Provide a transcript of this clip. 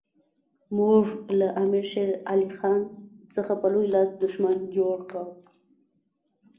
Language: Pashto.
موږ له امیر شېر علي خان څخه په لوی لاس دښمن جوړ کړ.